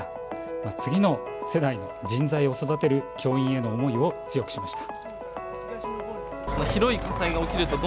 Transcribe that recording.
次の世代の人材を育てる教員への思いを強くしました。